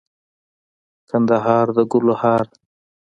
کندهار دګلو هار